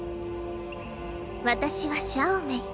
私はシャオメイ。